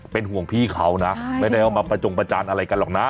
เป็นห่วงพี่เขานะไม่ได้เอามาประจงประจานอะไรกันหรอกนะ